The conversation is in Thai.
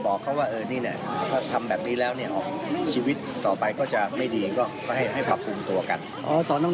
โอ๊ยแต่งเล่นไม่ได้แต่งจริงจัง